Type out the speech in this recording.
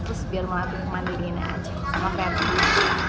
terus biar melakukan kemandiriannya aja sama pria priya